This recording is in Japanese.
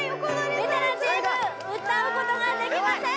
ベテランチーム歌うことができません